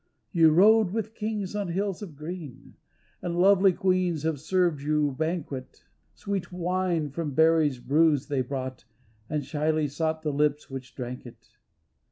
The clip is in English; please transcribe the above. " You rode with kings on hills of green, And lovely queens have served you banquet, Sweet wine from berries bruised they brought And shyly sought the lips which drank it.